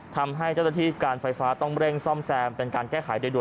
ทำให้เจ้าหน้าที่การไฟฟ้าต้องเร่งซ่อมแซมเป็นการแก้ไขโดยด่